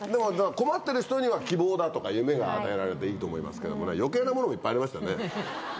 困ってる人には希望だとか、夢が与えられていいと思いますけれどもね、よけいなものもいっぱいありましたね。